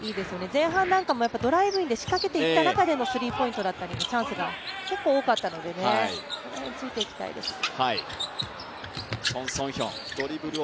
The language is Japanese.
前半なんかもドライブインで仕掛けていった中でのスリーポイントだったりチャンスが結構多かったので、その辺、突いていきたいですね。